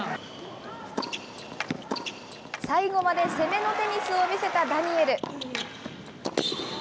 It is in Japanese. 最後まで攻めのテニスを見せたダニエル。